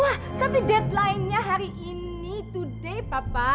wah tapi deadline nya hari ini today papa